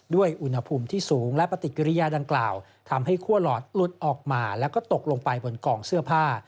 อุณหภูมิที่สูงและปฏิกิริยาดังกล่าวทำให้คั่วหลอดหลุดออกมาแล้วก็ตกลงไปบนกองเสื้อผ้า